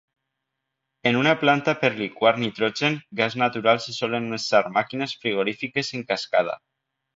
En una planta per liquar nitrogen, gas natural se solen usar màquines frigorífiques en cascada.